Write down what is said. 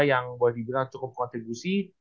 yang buat di jalan cukup kontribusi